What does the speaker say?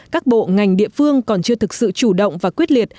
các bộ ngành địa phương còn chưa thực sự chủ động và quyết liệt